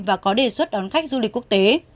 và có đề xuất đón khách du lịch quốc tế